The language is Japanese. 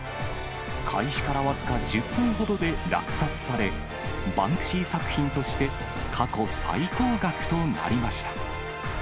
開始から僅か１０分ほどで落札され、バンクシー作品として過去最高額となりました。